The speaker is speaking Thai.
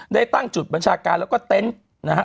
ได้ตั้งจุดบัญชาการแล้วก็เต็นต์นะฮะ